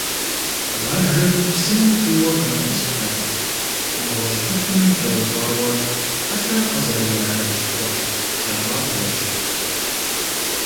Баржэр, псым куууэ хэмытӏысхьэ, нэгъуэщӏ кхъухьым кӏэрыщӏауэ, хьэлъэ къызэрырашэкӏ кхъухь лъащӏабгъуэщ.